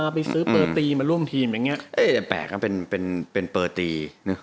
แปลกนะเป็นเปอร์ตี